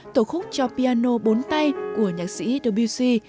tổ khúc cho piano bốn tay của nhạc sĩ dbc